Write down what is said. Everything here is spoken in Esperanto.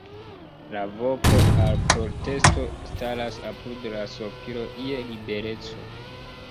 La voko al protesto staras apud la sopiro je libereco.